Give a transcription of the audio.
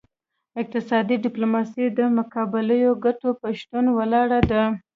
اقتصادي ډیپلوماسي د متقابلو ګټو په شتون ولاړه ده